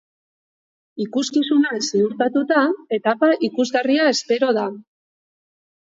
Ikuskizuna ziurtatuta, etapa ikusgarria espero da.